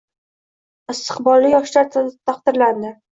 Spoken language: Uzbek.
Istiqbolli yoshlar taqdirlanding